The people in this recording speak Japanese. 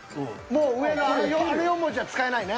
もう上のあの４文字は使えないね。